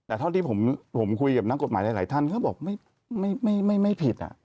แต่เท่าที่ผมคุยกับนักกฎหมายหลายท่านก็บอกไม่ผิด